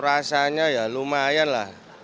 rasanya ya lumayan lah